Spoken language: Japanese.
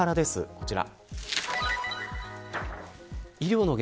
こちら。